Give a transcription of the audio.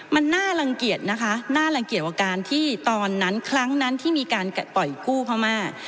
มันน่ารังเกียจนะคะน่ารังเกียจว่าการที่ตอนนั้นครั้งนั้นที่มีการปล่อยกู้พม่า